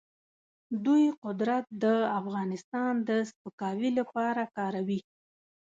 دوی قدرت د افغانستان د سپکاوي لپاره کاروي.